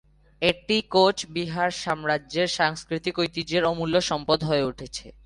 এটি কোচবিহার সাম্রাজ্যের সাংস্কৃতিক ঐতিহ্যের অমূল্য সম্পদ হয়ে উঠেছে।